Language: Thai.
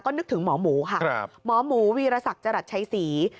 นึกถึงหมอหมูค่ะหมอหมูวีรศักดิ์จรัสชัยศรี